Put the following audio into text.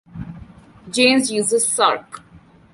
Jane's uses 'Sark'.